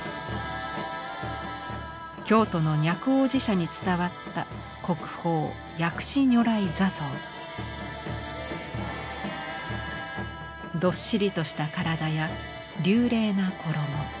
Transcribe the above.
京都の若王子社に伝わったどっしりとした体や流麗な衣。